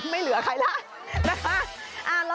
ไม่เหลือใครแล้วนะคะ